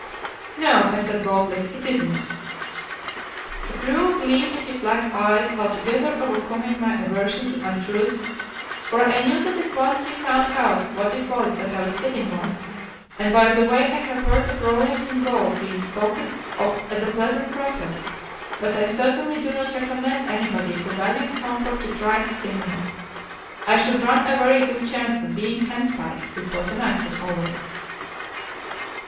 "'No,' I said boldly, 'it isn't' the cruel gleam in his black eyes altogether overcoming my aversion to untruth, for I knew that if once he found out what it was that I was sitting on and by the way I have heard of rolling in gold being spoken of as a pleasant process, but I certainly do not recommend anybody who values comfort to try sitting on it I should run a very good chance of being 'handspiked' before the night was over.